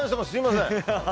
すみません。